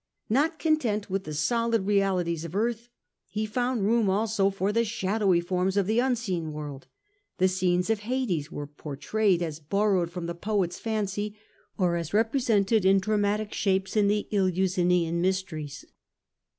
Not content with the solid realities of earth, he found room also for the shadowy forms of the unseen world. The scenes of Hades were pour trayed as borrowed from the poet's fancy, or as repre sented in dramatic shapes in the Eleusinian mysteries.